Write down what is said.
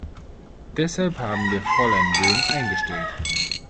Deshalb haben wir Fräulein Böhm eingestellt.